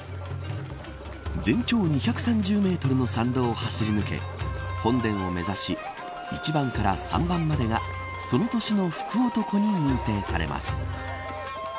全長２３０メートルの参道を走り抜け本殿を目指し１番から３番までがその年の福男に認定されます。